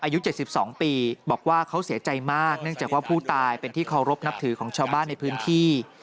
อายุ๗๒ปีบอกว่าเขาเสียใจมากเนื่องจากว่าผู้ตายเป็นที่เคารพนับถือของชาวบ้านในพื้นที่